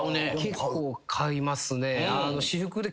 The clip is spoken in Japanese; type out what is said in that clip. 結構買いますね。